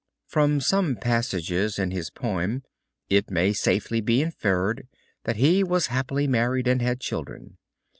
From some passages in his poem it may safely be inferred that he was happily married, and had children.